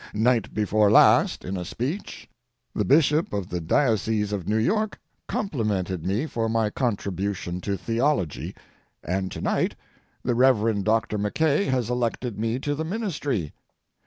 Night before last, in a speech, the Bishop of the Diocese of New York complimented me for my contribution to theology, and to night the Reverend Doctor Mackay has elected me to the ministry.